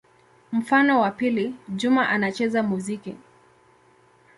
Mfano wa pili: Juma anacheza muziki.